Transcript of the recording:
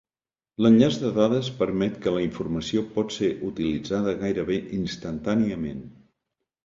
L'enllaç de dades permet que la informació pot ser utilitzada gairebé instantàniament.